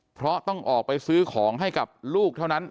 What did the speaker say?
เพราะต้องออกไปซื้อของให้กับลูกเท่านั้น